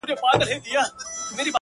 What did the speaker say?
ځوان د پوره سلو سلگيو څه راوروسته؛